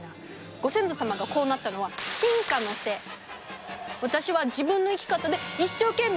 ご先祖様がこうなったのは私は自分の生き方で一生懸命生きてるだけ！